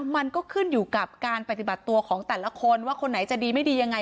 มันก็ขึ้นอยู่กับการปฏิบัติตัวของแต่ละคนว่าคนไหนจะดีไม่ดียังไง